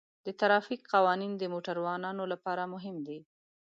د ترافیک قوانین د موټروانو لپاره مهم دي.